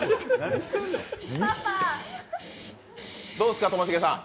どうすか、ともしげさん。